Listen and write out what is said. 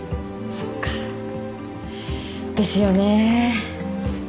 そっかですよね